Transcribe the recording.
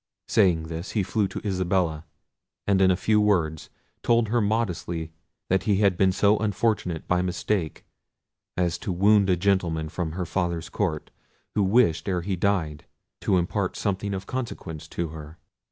Saying this, he flew to Isabella, and in few words told her modestly that he had been so unfortunate by mistake as to wound a gentleman from her father's court, who wished, ere he died, to impart something of consequence to her.